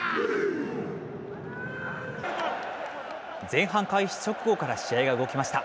前半開始直後から試合が動きました。